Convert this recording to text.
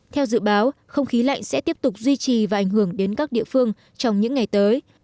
theo dự báo không khí lạnh sẽ tiếp tục duy trì và ảnh hưởng đến các địa phương trong những ngày tới